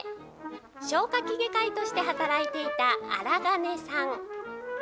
消化器外科医として働いていた荒金さん。